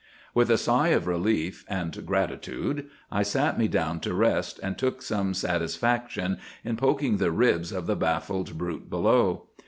"With a sigh of relief and gratitude I sat me down to rest, and took some satisfaction in poking the ribs of the baffled brute below.